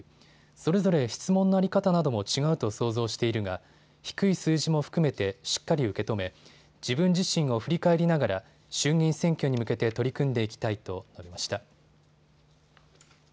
それぞれ質問の在り方なども違うと想像しているが低い数字も含めてしっかり受け止め自分自身を振り返りながら衆議院選挙に向けて取り組んでいきたいと述べました。